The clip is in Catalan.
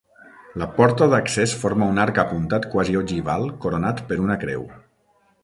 La porta d'accés forma un arc apuntat quasi ogival coronat per una creu.